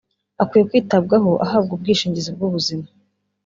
Akwiye kwitabwaho ahabwa ubwishingizi bw’ubuzima